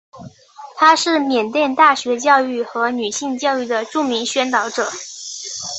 他是缅甸大学教育和女性教育的著名宣导者。